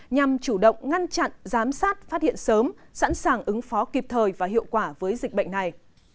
nhằm chủ động ngăn chặn giám sát phát hiện sớm sẵn sàng ứng phó kịp thời và hiệu quả với dịch bệnh này